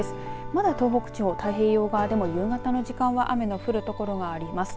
まだ東北地方、太平洋側でも夕方の時間は雨が降る所があります。